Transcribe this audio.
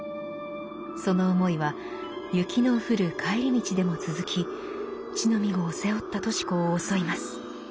その思いは雪の降る帰り道でも続き乳飲み子を背負ったとし子を襲います。